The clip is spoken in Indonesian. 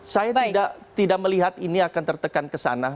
saya tidak melihat ini akan tertekan kesana